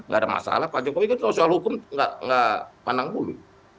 gak ada masalah pak jokowi kan soal hukum gak pandang dulu